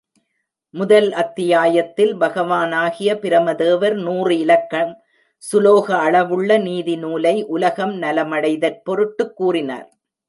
முதல் அத்தியாயத்தில், பகவானாகிய பிரமதேவர் நூறு இலக்கம் சுலோக அளவுள்ள நீதி நூலை உலகம் நலமடைதற் பொருட்டுக் கூறினார்.